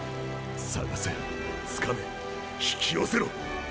探せつかめ引き寄せろ。